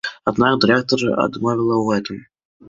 Аднак дырэктар адмовіла ў гэтым.